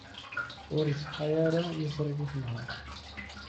Ur iṣeḥḥa ara yiẓri-w i tenhert.